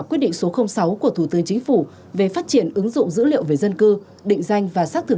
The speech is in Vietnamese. quyết định số sáu của thủ tướng chính phủ về phát triển ứng dụng dữ liệu về dân cư định danh và xác thực